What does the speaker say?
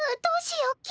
どうしよう？